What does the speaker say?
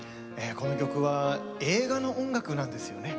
この曲は映画音楽なんですよね。